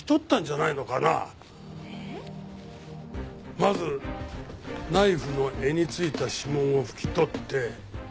まずナイフの柄についた指紋を拭き取って。